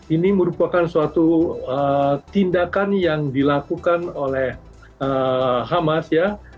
ini merupakan suatu tindakan yang dilakukan oleh hamas ya